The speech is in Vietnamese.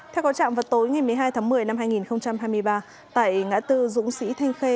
theo công trạng vật tối một mươi hai tháng một mươi năm hai nghìn hai mươi ba tại ngã tư dũng sĩ thanh khe